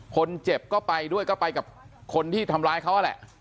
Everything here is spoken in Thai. คนเจ็บก็ไปด้วยก็ไปกับคนที่ทำร้ายเขานั่นแหละ